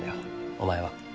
お前は。